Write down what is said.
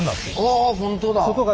あ本当だ。